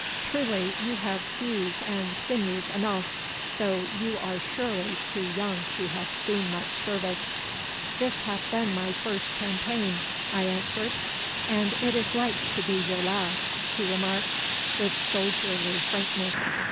Truly you have thews and sinews enough, though you are surely too young to have seen much service.' 'This hath been my first campaign,' I answered. 'And is like to be your last,' he remarked, with soldierly frankness.